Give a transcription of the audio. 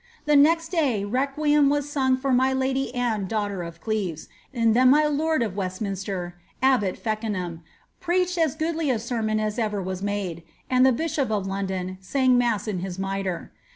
The next day requiem was sung for my lady Anne daughter of Cleves, and then mj lord of Westminster (abbot Feckenham) preached as goodly a sennoa as ever was made, and the bishop of London sang mass in his mitre.